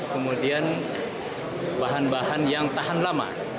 kemudian bahan bahan yang tahan lama